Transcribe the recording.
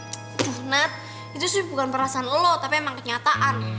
cuk nat itu sih bukan perasaan lo tapi emang kenyataan